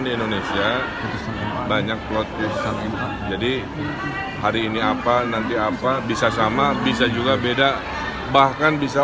di indonesia banyak plot plus jadi hari ini apa nanti apa bisa sama bisa juga beda bahkan bisa